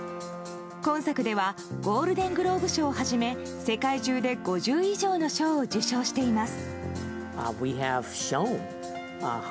今作ではゴールデン・グローブ賞をはじめ世界中で５０以上の賞を受賞しています。